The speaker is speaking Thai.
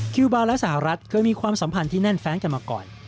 คิวบาร์และสหรัฐเคยมีความสัมพันธ์ที่แน่นแฟนกันมาก่อน